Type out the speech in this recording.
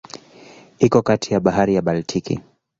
Iko kati ya Bahari ya Baltiki.